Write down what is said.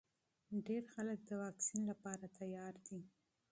ډېر خلک د واکسین لپاره تیار دي.